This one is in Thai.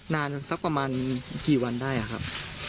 นานสักประมาณกี่วันได้ครับ